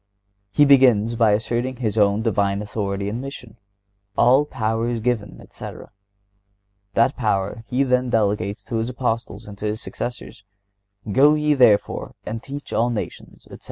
(126) He begins by asserting His own Divine authority and mission. "All power is given," etc. That power He then delegates to His Apostles and to their successors: "Go ye, therefore, and teach all nations," etc.